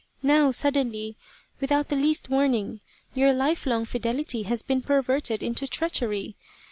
Now suddenly, without the least warning, your lifelong fidelity has been perverted into treachery.